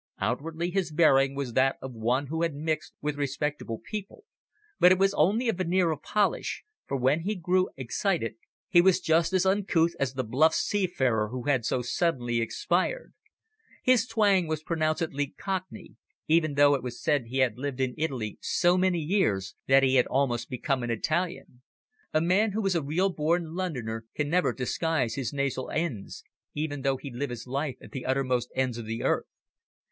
Outwardly his bearing was that of one who had mixed with respectable people, but it was only a veneer of polish, for when he grew excited he was just as uncouth as the bluff seafarer who had so suddenly expired. His twang was pronouncedly Cockney, even though it was said he had lived in Italy so many years that he had almost become an Italian. A man who is a real born Londoner can never disguise his nasal "n's," even though he live his life at the uttermost ends of the earth.